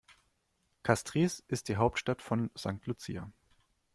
Castries ist die Hauptstadt von St. Lucia.